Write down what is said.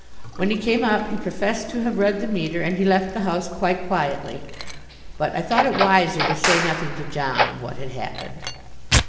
When he came up he professed to have read the meter and he left the house quite quietly. But I thought it wiser to say nothing to John of what had happened.